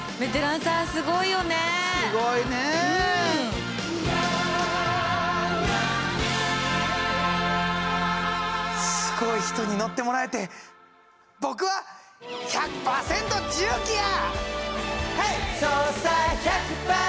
すごい人に乗ってもらえて僕は１００％重機や！